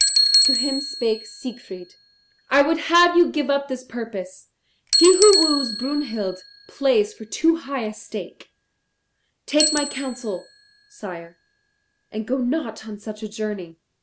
To him spake Siegfried, "I would have you give up this purpose. He who woos Brunhild plays for too high a stake. Take my counsel, sire, and go not on such a journey."